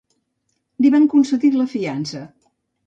Li van concedir la fiança.